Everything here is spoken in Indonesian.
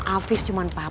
kalo menyebar dia